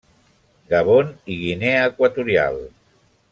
Gabon i Guinea Equatorial.